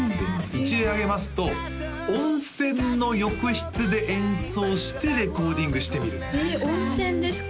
一例挙げますと「温泉の浴室で演奏してレコーディングしてみる」え温泉ですか？